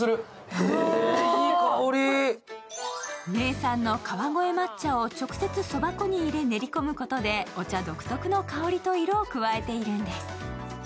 名産の河越抹茶を直接、そば粉に練り込むことでお茶独特の香りと色を加えているんです。